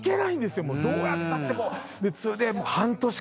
どうやったってもう。